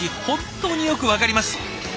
本当によく分かります。